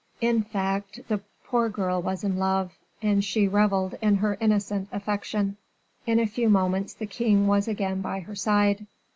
In fact the poor girl was in love, and she reveled in her innocent affection. In a few moments the king was again by her side.